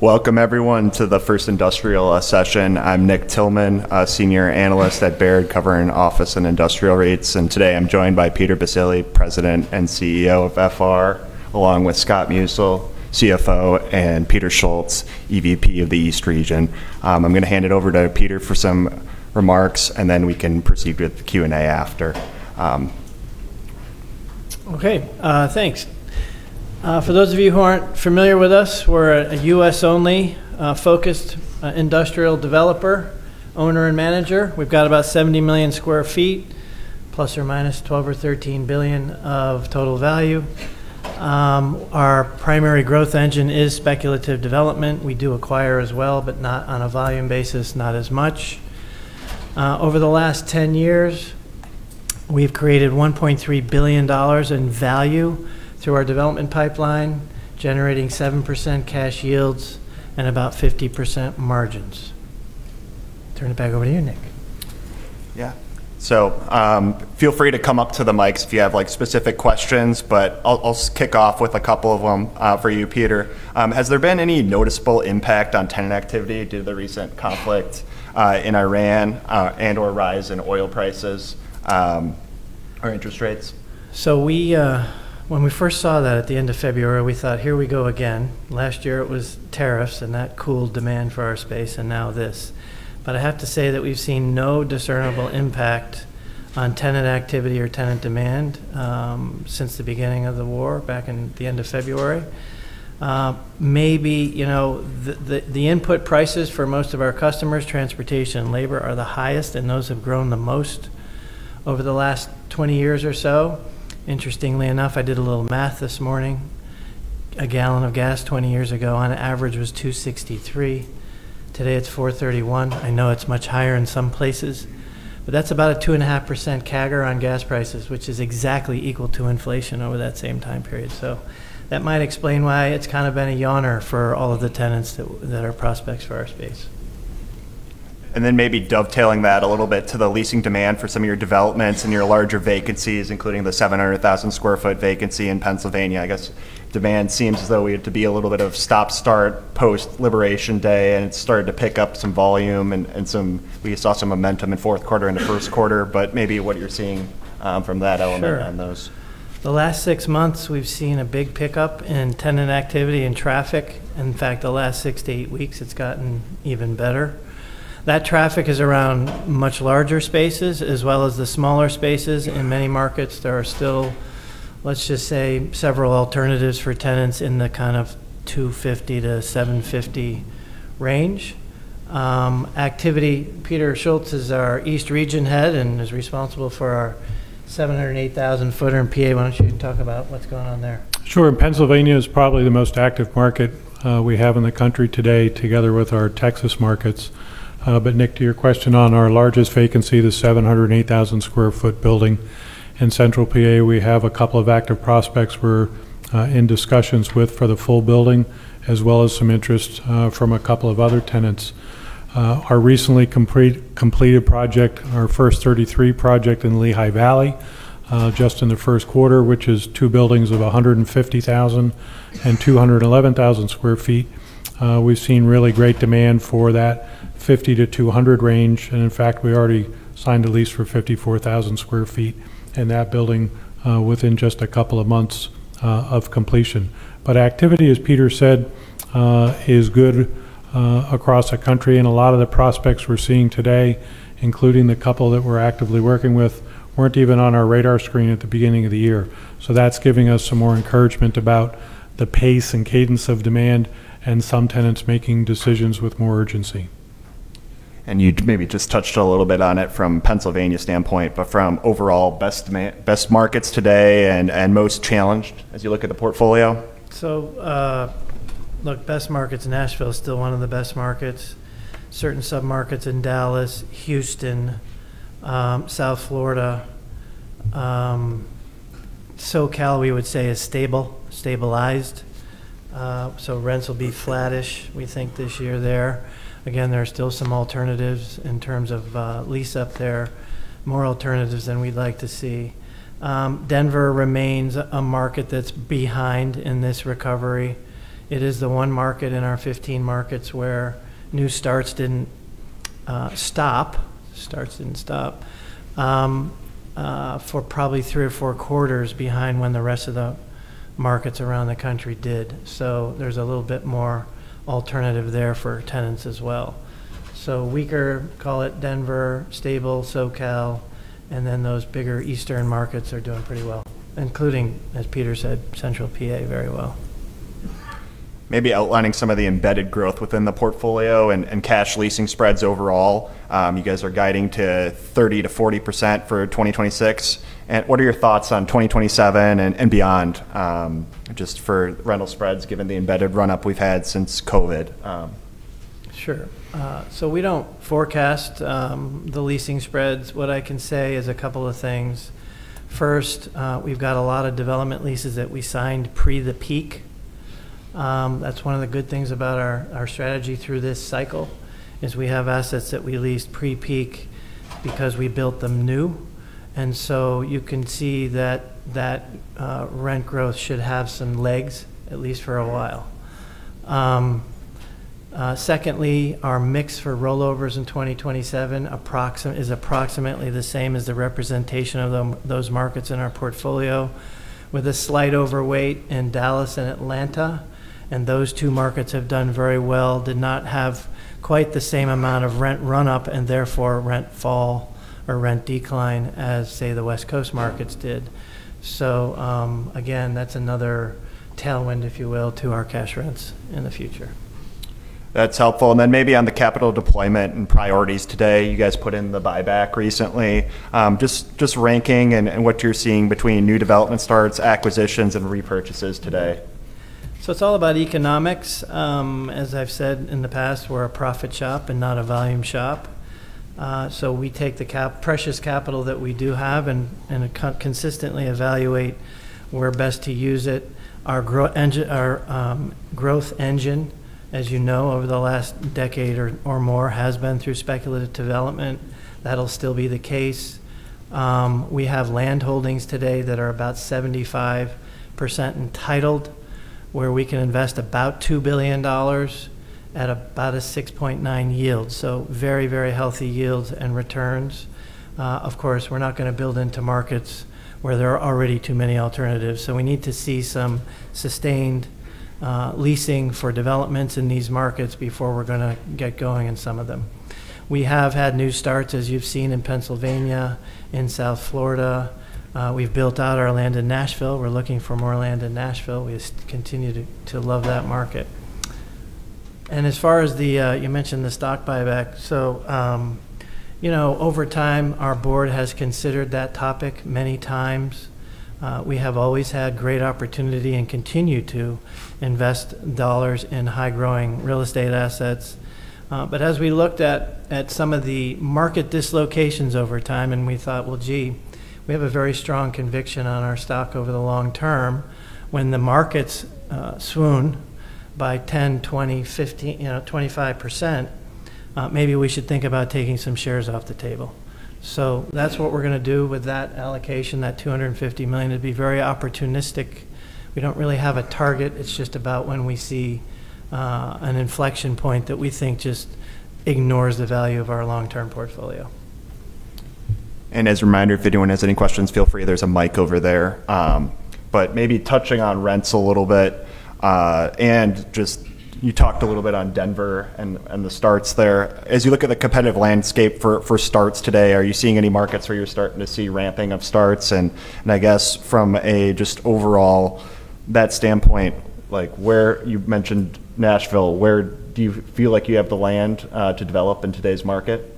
Welcome everyone to the First Industrial session. I'm Nick Thillman, a senior analyst at Baird covering office and industrial REITs. Today I'm joined by Peter Baccile, President and CEO of FR, along with Scott Musil, CFO, and Peter Schultz, EVP of the East Region. I'm going to hand it over to Peter for some remarks, and then we can proceed with the Q&A after. Okay. Thanks. For those of you who aren't familiar with us, we're a U.S. only focused industrial developer, owner, and manager. We've got about 70 million sq ft, ±$12 billion-$13 billion of total value. Our primary growth engine is speculative development. We do acquire as well, not on a volume basis, not as much. Over the last 10 years, we've created $1.3 billion in value through our development pipeline, generating 7% cash yields and about 50% margins. Turn it back over to you, Nick. Yeah. Feel free to come up to the mics if you have specific questions, but I'll kick off with a couple of them for you, Peter. Has there been any noticeable impact on tenant activity due to the recent conflict in Iran and/or rise in oil prices or interest rates? When we first saw that at the end of February, we thought, here we go again. Last year it was tariffs, and that cooled demand for our space, and now this. I have to say that we've seen no discernible impact on tenant activity or tenant demand since the beginning of the war back in the end of February. Maybe the input prices for most of our customers, transportation and labor, are the highest, and those have grown the most over the last 20 years or so. Interestingly enough, I did a little math this morning. A gallon of gas 20 years ago on average was $2.63. Today it's $4.31. I know it's much higher in some places. That's about a 2.5% CAGR on gas prices, which is exactly equal to inflation over that same time period. That might explain why it's kind of been a yawner for all of the tenants that are prospects for our space. Maybe dovetailing that a little bit to the leasing demand for some of your developments and your larger vacancies, including the 700,000 sq ft vacancy in Pennsylvania. I guess demand seems as though we had to be a little bit of stop start post Labor Day, and it's started to pick up some volume and we saw some momentum in the first quarter, but maybe what you're seeing from that element on those. Sure. The last six months we've seen a big pickup in tenant activity and traffic. In fact, the last six to eight weeks, it's gotten even better. That traffic is around much larger spaces as well as the smaller spaces. In many markets, there are still, let's just say, several alternatives for tenants in the kind of 250-750 range. Activity, Peter Schultz is our East Region Head and is responsible for our 708,000 sq ft in PA. Why don't you talk about what's going on there? Sure. Pennsylvania is probably the most active market we have in the country today together with our Texas markets. Nick, to your question on our largest vacancy, the 708,000 sq ft building in Central PA, we have a couple of active prospects we're in discussions with for the full building, as well as some interest from a couple of other tenants. Our recently completed project, our First 33 project in Lehigh Valley, just in the first quarter, which is two buildings of 150,000 and 211,000 sq ft. We've seen really great demand for that 50-200 range. In fact, we already signed a lease for 54,000 sq ft in that building within just a couple of months of completion. Activity, as Peter said, is good across the country. A lot of the prospects we're seeing today, including the couple that we're actively working with, weren't even on our radar screen at the beginning of the year. That's giving us some more encouragement about the pace and cadence of demand and some tenants making decisions with more urgency. You maybe just touched a little bit on it from Pennsylvania standpoint, but from overall best markets today and most challenged as you look at the portfolio? Look, best markets, Nashville is still one of the best markets. Certain sub-markets in Dallas, Houston, South Florida. SoCal we would say is stabilized. Rents will be flattish, we think, this year there. There are still some alternatives in terms of lease-up there. More alternatives than we'd like to see. Denver remains a market that's behind in this recovery. It is the one market in our 15 markets where new starts didn't stop for probably three or four quarters behind when the rest of the markets around the country did. There's a little bit more alternative there for tenants as well. Weaker, call it Denver, stable SoCal, and then those bigger eastern markets are doing pretty well, including, as Peter said, Central PA very well. Maybe outlining some of the embedded growth within the portfolio and cash leasing spreads overall. You guys are guiding to 30%-40% for 2026. What are your thoughts on 2027 and beyond, just for rental spreads, given the embedded run-up we've had since COVID? Sure. We don't forecast the leasing spreads. What I can say is a couple of things. First, we've got a lot of development leases that we signed pre the peak. That's one of the good things about our strategy through this cycle is we have assets that we leased pre-peak because we built them new. You can see that that rent growth should have some legs, at least for a while. Secondly, our mix for rollovers in 2027 is approximately the same as the representation of those markets in our portfolio, with a slight overweight in Dallas and Atlanta. Those two markets have done very well, did not have quite the same amount of rent run-up and therefore rent fall or rent decline as, say, the West Coast markets did. Again, that's another tailwind, if you will, to our cash rents in the future. That's helpful. Maybe on the capital deployment and priorities today. You guys put in the buyback recently. Just ranking and what you're seeing between new development starts, acquisitions, and repurchases today. It's all about economics. As I've said in the past, we're a profit shop and not a volume shop. We take the precious capital that we do have and consistently evaluate where best to use it. Our growth engine, as you know, over the last decade or more, has been through speculative development. That'll still be the case. We have land holdings today that are about 75% entitled, where we can invest about $2 billion at about a 6.9 yield. Very healthy yields and returns. Of course, we're not going to build into markets where there are already too many alternatives. We need to see some sustained leasing for developments in these markets before we're going to get going in some of them. We have had new starts, as you've seen in Pennsylvania, in South Florida. We've built out our land in Nashville. We're looking for more land in Nashville. We continue to love that market. As far as you mentioned the stock buyback. Over time, our board has considered that topic many times. We have always had great opportunity and continue to invest dollars in high-growing real estate assets. As we looked at some of the market dislocations over time, we thought, "Well, gee, we have a very strong conviction on our stock over the long term. When the markets swoon by 10, 20, 15, 25%, maybe we should think about taking some shares off the table." That's what we're going to do with that allocation, that $250 million. It'd be very opportunistic. We don't really have a target. It's just about when we see an inflection point that we think just ignores the value of our long-term portfolio. As a reminder, if anyone has any questions, feel free. There's a mic over there. Maybe touching on rents a little bit, and just, you talked a little bit on Denver and the starts there. As you look at the competitive landscape for starts today, are you seeing any markets where you're starting to see ramping of starts? I guess from a just overall that standpoint, you've mentioned Nashville, where do you feel like you have the land to develop in today's market?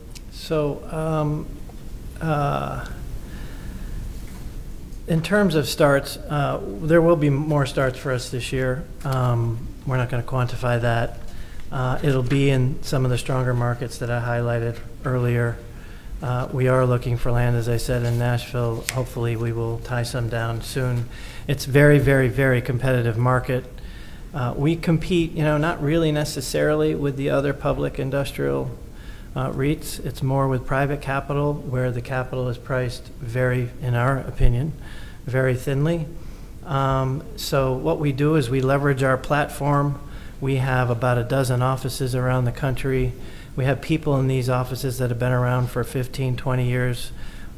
In terms of starts, there will be more starts for us this year. We're not going to quantify that. It'll be in some of the stronger markets that I highlighted earlier. We are looking for land, as I said, in Nashville. Hopefully, we will tie some down soon. It's a very competitive market. We compete not really necessarily with the other public industrial REITs. It's more with private capital, where the capital is priced, in our opinion, very thinly. What we do is we leverage our platform. We have about a dozen offices around the country. We have people in these offices that have been around for 15, 20 years,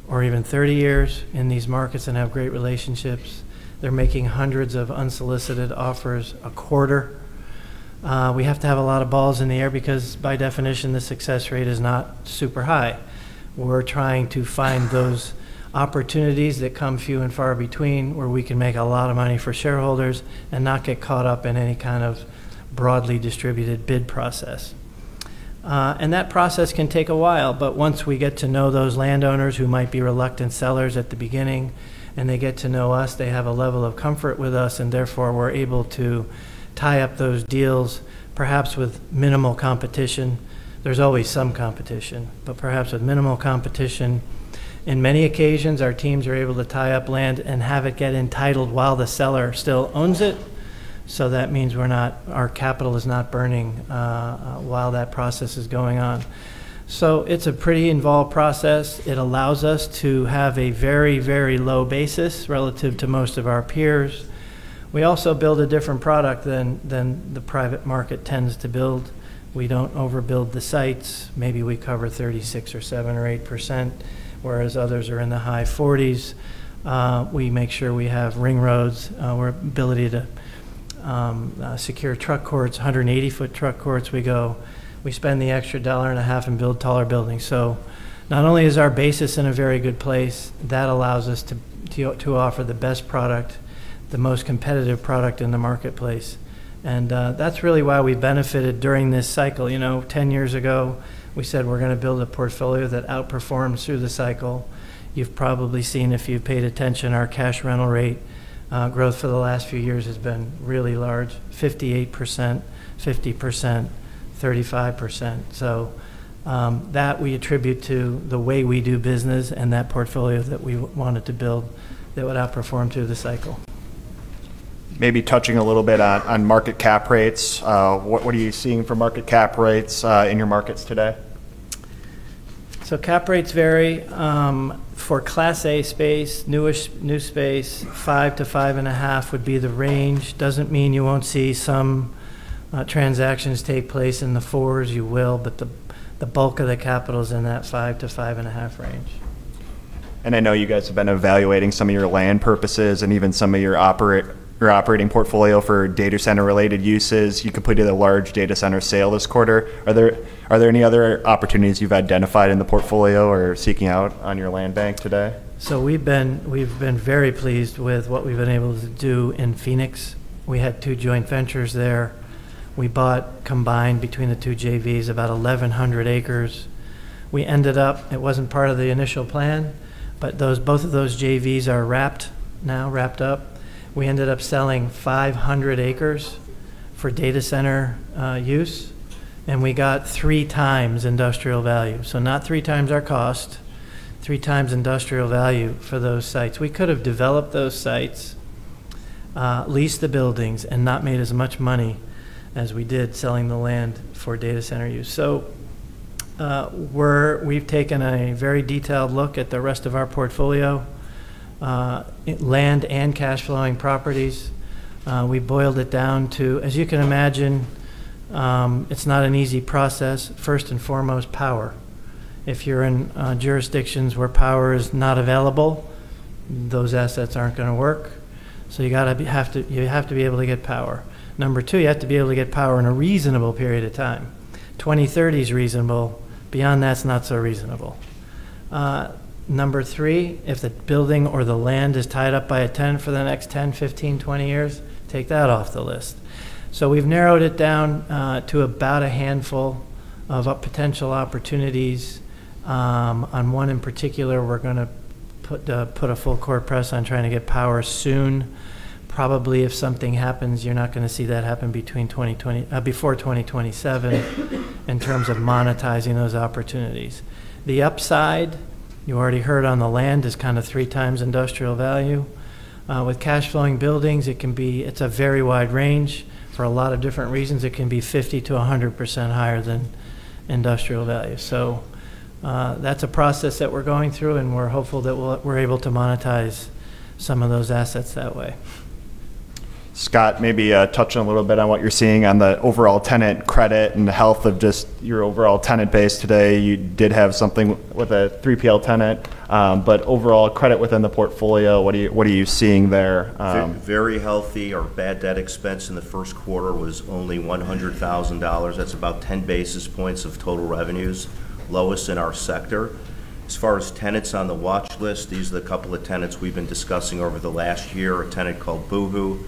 or even 30 years in these markets and have great relationships. They're making hundreds of unsolicited offers a quarter. We have to have a lot of balls in the air because, by definition, the success rate is not super high. We're trying to find those opportunities that come few and far between, where we can make a lot of money for shareholders and not get caught up in any kind of broadly distributed bid process. That process can take a while, but once we get to know those landowners who might be reluctant sellers at the beginning, and they get to know us, they have a level of comfort with us, and therefore we're able to tie up those deals, perhaps with minimal competition. There's always some competition. Perhaps with minimal competition. In many occasions, our teams are able to tie up land and have it get entitled while the seller still owns it. That means our capital is not burning while that process is going on. It's a pretty involved process. It allows us to have a very low basis relative to most of our peers. We also build a different product than the private market tends to build. We don't overbuild the sites. Maybe we cover 36 or 7 or 8%, whereas others are in the high 40s. We make sure we have ring roads. Our ability to secure truck courts, 180-foot truck courts. We spend the extra dollar and a half and build taller buildings. Not only is our basis in a very good place, that allows us to offer the best product, the most competitive product in the marketplace. That's really why we benefited during this cycle. 10 years ago, we said we're going to build a portfolio that outperforms through the cycle. You've probably seen, if you paid attention, our cash rental rate growth for the last few years has been really large, 58%, 50%, 35%. That we attribute to the way we do business and that portfolio that we wanted to build that would outperform through the cycle. Maybe touching a little bit on market cap rates. What are you seeing for market cap rates in your markets today? Cap rates vary. For Class A space, new space, 5-5.5 would be the range. Doesn't mean you won't see some transactions take place in the fours, you will, but the bulk of the capital's in that 5-5.5 range. I know you guys have been evaluating some of your land purposes and even some of your operating portfolio for data center-related uses. You completed a large data center sale this quarter. Are there any other opportunities you've identified in the portfolio or are seeking out on your land bank today? We've been very pleased with what we've been able to do in Phoenix. We had two joint ventures there. We bought, combined between the two JVs, about 1,100 acres. We ended up, it wasn't part of the initial plan, but both of those JVs are wrapped now, wrapped up. We ended up selling 500 acres for data center use, and we got three times industrial value. Not three times our cost, three times industrial value for those sites. We could have developed those sites, leased the buildings, and not made as much money as we did selling the land for data center use. We've taken a very detailed look at the rest of our portfolio, land and cash flowing properties. We boiled it down to, as you can imagine, it's not an easy process. First and foremost, power. If you're in jurisdictions where power is not available, those assets aren't going to work. You have to be able to get power. Number 2, you have to be able to get power in a reasonable period of time. 2030 is reasonable. Beyond that, it's not so reasonable. Number 3, if the building or the land is tied up by a tenant for the next 10, 15, 20 years, take that off the list. We've narrowed it down to about a handful of potential opportunities. On one in particular, we're going to put a full-court press on trying to get power soon. Probably if something happens, you're not going to see that happen before 2027 in terms of monetizing those opportunities. The upside, you already heard on the land, is kind of three times industrial value. With cash flowing buildings, it's a very wide range. For a lot of different reasons, it can be 50%-100% higher than industrial value. That's a process that we're going through, and we're hopeful that we're able to monetize some of those assets that way. Scott, maybe touch on a little bit on what you're seeing on the overall tenant credit and the health of just your overall tenant base today. You did have something with a 3PL tenant. Overall credit within the portfolio, what are you seeing there? Very healthy. Our bad debt expense in the first quarter was only $100,000. That's about 10 basis points of total revenues, lowest in our sector. As far as tenants on the watch list, these are the couple of tenants we've been discussing over the last year. A tenant called Boohoo.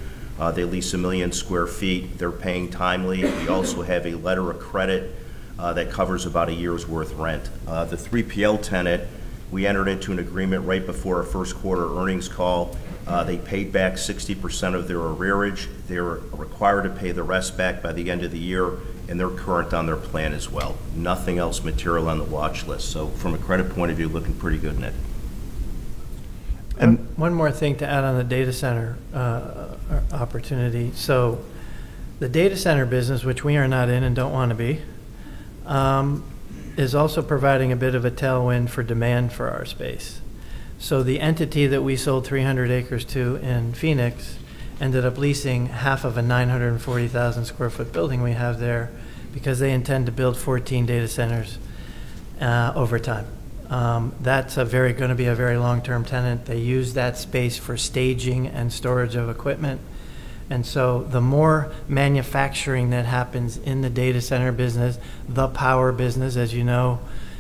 They lease 1 million sq ft. They're paying timely, and we also have a letter of credit that covers about a year's worth rent. The 3PL tenant, we entered into an agreement right before our first quarter earnings call. They paid back 60% of their arrearage. They're required to pay the rest back by the end of the year, and they're current on their plan as well. Nothing else material on the watch list. From a credit point of view, looking pretty good, Nick. One more thing to add on the data center opportunity. The data center business, which we are not in and don't want to be, is also providing a bit of a tailwind for demand for our space. The entity that we sold 300 acres to in Phoenix ended up leasing half of a 940,000 sq ft building we have there because they intend to build 14 data centers over time. That's going to be a very long-term tenant. They use that space for staging and storage of equipment, and so the more manufacturing that happens in the data center business, the power business, as you know,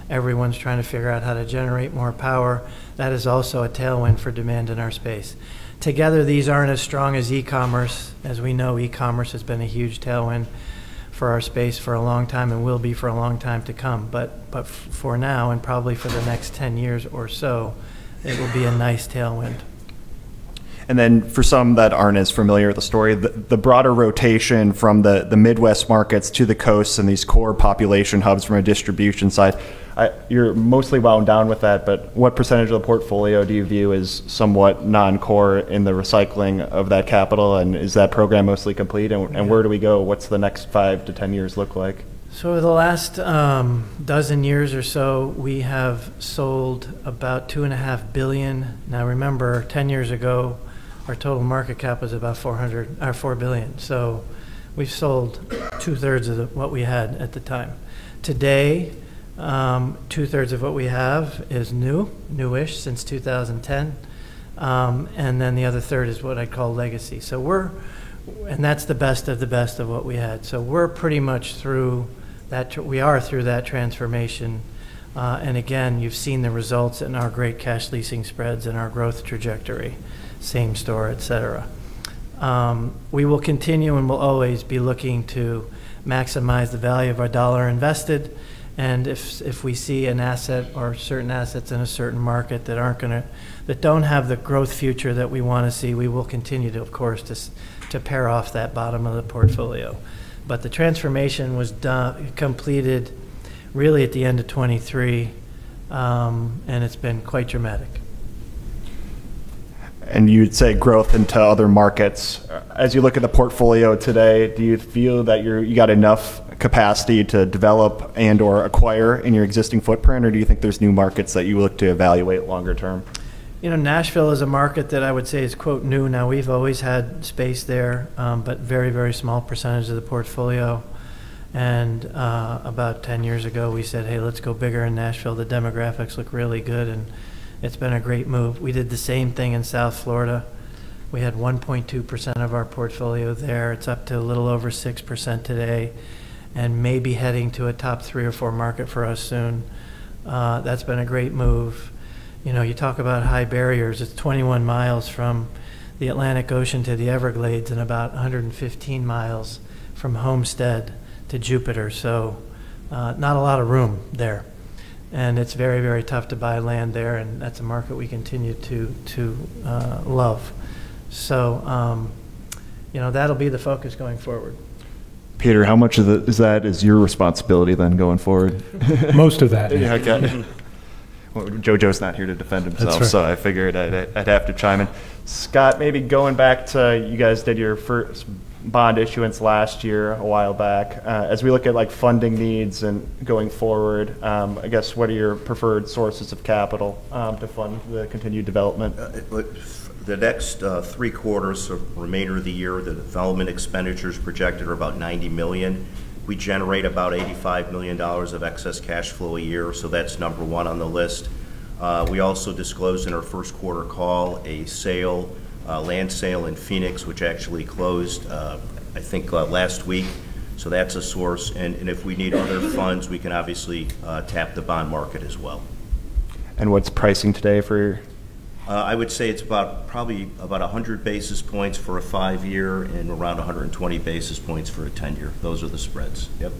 everyone's trying to figure out how to generate more power. That is also a tailwind for demand in our space. Together, these aren't as strong as e-commerce. As we know, e-commerce has been a huge tailwind for our space for a long time and will be for a long time to come. For now, and probably for the next 10 years or so, it will be a nice tailwind. For some that aren't as familiar with the story, the broader rotation from the Midwest markets to the coasts and these core population hubs from a distribution side, you're mostly wound down with that, but what percentage of the portfolio do you view as somewhat non-core in the recycling of that capital, and is that program mostly complete? Where do we go? What's the next 5-10 years look like? The last dozen years or so, we have sold about $2.5 billion. Remember, 10 years ago, our total market cap was about $4 billion, so we've sold two thirds of what we had at the time. Today, two thirds of what we have is new-ish since 2010. The other third is what I call legacy. That's the best of the best of what we had. We're pretty much through that. We are through that transformation. Again, you've seen the results in our great cash leasing spreads and our growth trajectory, same store, et cetera. We will continue and will always be looking to maximize the value of our dollar invested, and if we see an asset or certain assets in a certain market that don't have the growth future that we want to see, we will continue, of course, to pare off that bottom of the portfolio. The transformation was completed really at the end of 2023. It's been quite dramatic. You'd say growth into other markets. As you look at the portfolio today, do you feel that you got enough capacity to develop and/or acquire in your existing footprint, or do you think there's new markets that you look to evaluate longer term? Nashville is a market that I would say is "new now." We've always had space there, but very small percentage of the portfolio. About 10 years ago, we said, "Hey, let's go bigger in Nashville. The demographics look really good." It's been a great move. We did the same thing in South Florida. We had 1.2% of our portfolio there. It's up to a little over 6% today, and may be heading to a top three or four market for us soon. That's been a great move. You talk about high barriers. It's 21 miles from the Atlantic Ocean to the Everglades and about 115 miles from Homestead to Jupiter, so not a lot of room there. It's very tough to buy land there, and that's a market we continue to love. That'll be the focus going forward. Peter, how much of that is your responsibility then going forward? Most of that. Yeah. Well, Jojo Yap is not here to defend himself. That's right. I figured I'd have to chime in. Scott, maybe going back to you guys did your first bond issuance last year, a while back. As we look at funding needs and going forward, I guess, what are your preferred sources of capital to fund the continued development? The next three quarters, so remainder of the year, the development expenditures projected are about $90 million. We generate about $85 million of excess cash flow a year. That's number 1 on the list. We also disclosed in our first quarter call a land sale in Phoenix, which actually closed, I think, last week. That's a source. If we need other funds, we can obviously tap the bond market as well. What's pricing today for? I would say it's probably about 100 basis points for a five-year and around 120 basis points for a 10-year. Those are the spreads. Yep.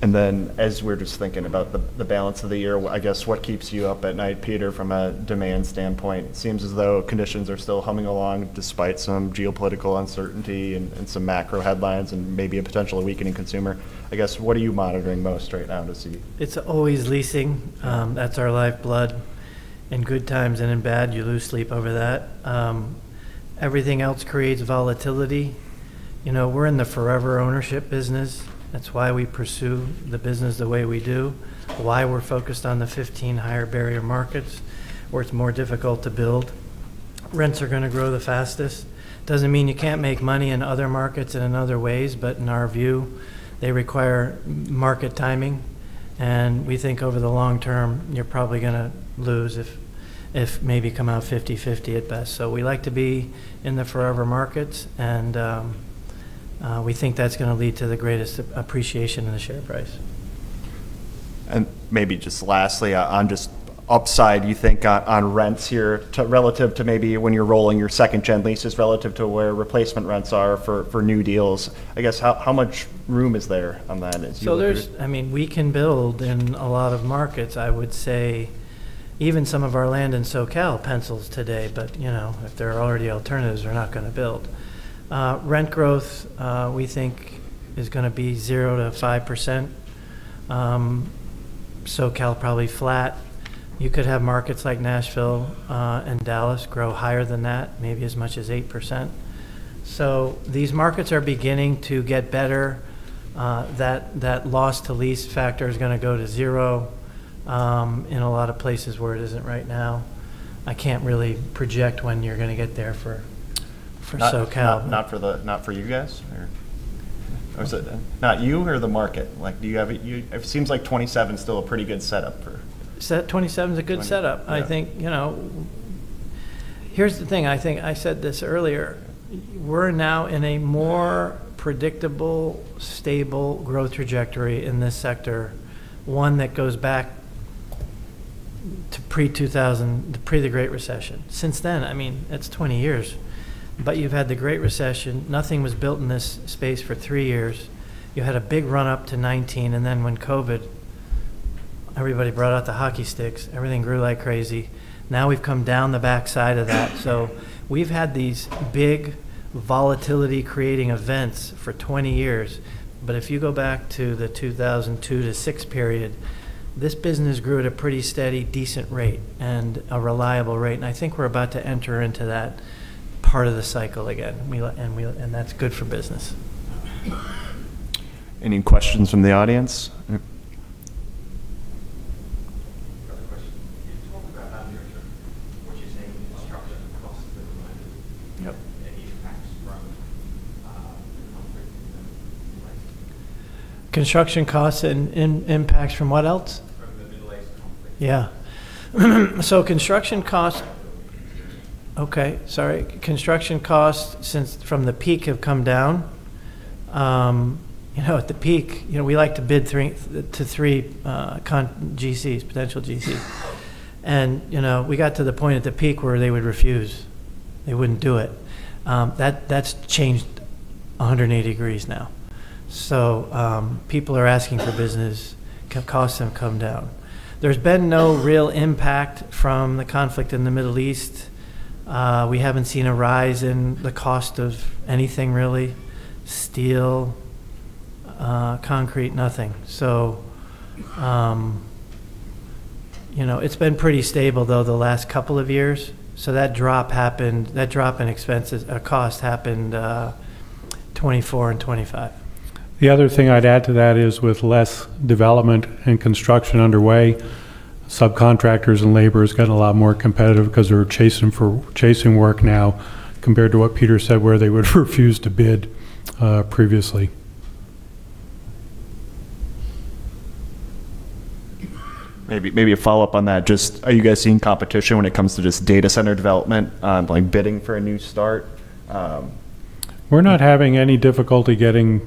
As we're just thinking about the balance of the year, I guess what keeps you up at night, Peter, from a demand standpoint? Seems as though conditions are still humming along despite some geopolitical uncertainty and some macro headlines and maybe a potential weakening consumer. I guess, what are you monitoring most right now to see? It's always leasing. That's our lifeblood. In good times and in bad, you lose sleep over that. Everything else creates volatility. We're in the forever ownership business. That's why we pursue the business the way we do, why we're focused on the 15 higher barrier markets where it's more difficult to build. Rents are going to grow the fastest. Doesn't mean you can't make money in other markets and in other ways, but in our view, they require market timing. We think over the long term, you're probably going to lose, if maybe come out 50/50 at best. We like to be in the forever markets, and we think that's going to lead to the greatest appreciation in the share price. Maybe just lastly, on just upside, you think on rents here relative to maybe when you're rolling your second-gen leases relative to where replacement rents are for new deals. I guess, how much room is there on that as you look at it? We can build in a lot of markets. I would say even some of our land in SoCal pencils today, but if there are already alternatives, they're not going to build. Rent growth, we think is going to be 0%-5%. SoCal, probably flat. You could have markets like Nashville and Dallas grow higher than that, maybe as much as 8%. These markets are beginning to get better. That loss to lease factor is going to go to 0 in a lot of places where it isn't right now. I can't really project when you're going to get there for SoCal. Not for you guys? Is it not you or the market? It seems like 27 is still a pretty good setup. 27 is a good setup. Yeah. Here's the thing. I said this earlier. We're now in a more predictable, stable growth trajectory in this sector, one that goes back to pre-2000, pre-The Great Recession. Since then, it's 20 years, but you've had The Great Recession. Nothing was built in this space for three years. You had a big run-up to 19, and then when COVID, everybody brought out the hockey sticks. Everything grew like crazy. Now we've come down the backside of that. We've had these big volatility-creating events for 20 years. If you go back to the 2002-2006 period, this business grew at a pretty steady, decent rate and a reliable rate. I think we're about to enter into that part of the cycle again. That's good for business. Any questions from the audience? Got a question. Can you talk about how the return, would you say, construction costs have been impacted from the conflict in the Middle East? Construction costs and impacts from what else? From the Middle East conflict. Yeah. Construction costs from the peak have come down. At the peak, we like to bid to three GCs, potential GCs. We got to the point at the peak where they would refuse. They wouldn't do it. That's changed 180 degrees now. People are asking for business, costs have come down. There's been no real impact from the conflict in the Middle East. We haven't seen a rise in the cost of anything really. Steel, concrete, nothing. It's been pretty stable though the last couple of years. That drop in expenses, cost happened 2024 and 2025. The other thing I'd add to that is with less development and construction underway, subcontractors and labor has gotten a lot more competitive because they're chasing work now compared to what Peter said, where they would refuse to bid previously. Maybe a follow-up on that. Just are you guys seeing competition when it comes to just data center development, like bidding for a new start? We're not having any difficulty getting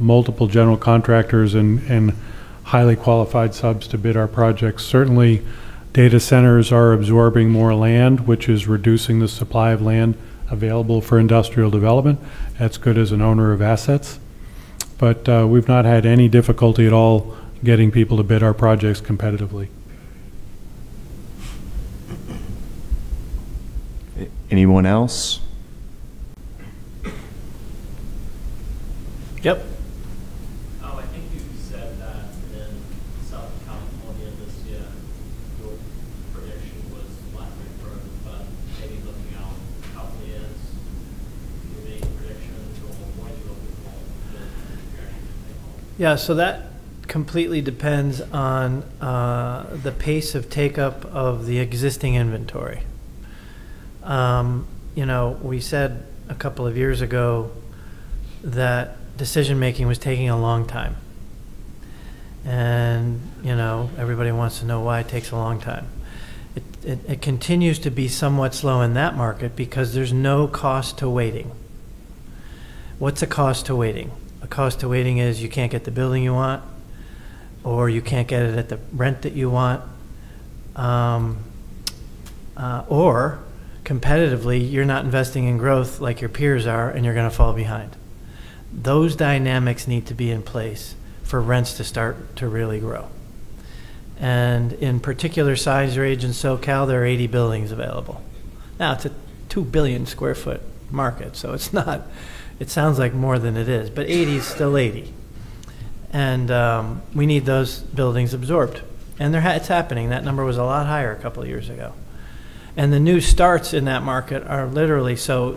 multiple General Contractors and highly qualified subs to bid our projects. Certainly, data centers are absorbing more land, which is reducing the supply of land available for industrial development. That's good as an owner of assets. We've not had any difficulty at all getting people to bid our projects competitively. Anyone else? Yep. Oh, I think you said that within Southern California this year, your prediction was less growth, but maybe looking out a couple of years, you make a prediction of normal growth. What would be the direction of growth? Yeah, that completely depends on the pace of take-up of the existing inventory. We said a couple of years ago that decision-making was taking a long time. Everybody wants to know why it takes a long time. It continues to be somewhat slow in that market because there's no cost to waiting. What's a cost to waiting? A cost to waiting is you can't get the building you want, or you can't get it at the rent that you want. Competitively, you're not investing in growth like your peers are, and you're going to fall behind. Those dynamics need to be in place for rents to start to really grow. In particular size range in SoCal, there are 80 buildings available. Now, it's a 2 billion sq ft market, so it sounds like more than it is, but 80 is still 80. We need those buildings absorbed. It's happening. That number was a lot higher a couple of years ago. The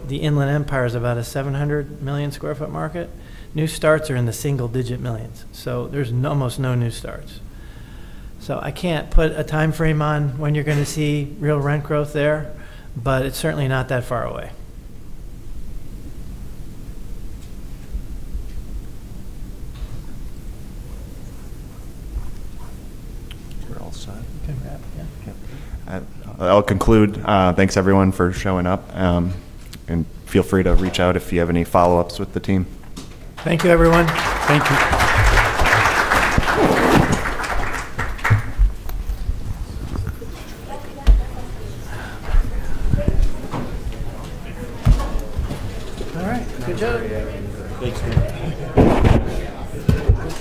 Inland Empire is about a 700-million sq ft market. New starts are in the single-digit millions. There's almost no new starts. I can't put a timeframe on when you're going to see real rent growth there, but it's certainly not that far away. We're all set. Okay. Yeah. Yeah. I'll conclude. Thanks everyone for showing up. Feel free to reach out if you have any follow-ups with the team. Thank you, everyone. Thank you. All right. Good job. Thanks, man.